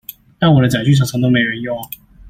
但我的載具常常都沒人用啊！